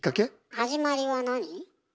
始まりは何？